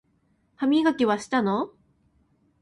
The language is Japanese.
歯磨きはしたの？